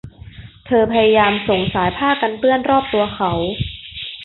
เธอพยายามส่งสายผ้ากันเปื้อนรอบตัวเขา